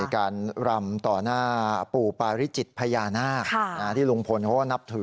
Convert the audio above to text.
การรำต่อหน้าปู่ปาริจิตพญานาคที่ลุงพลเขาก็นับถือ